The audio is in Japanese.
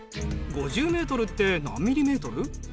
５０メートルって何ミリメートル？